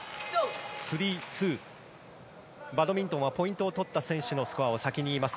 バドミントンはポイントを取った選手の名前を先に言います。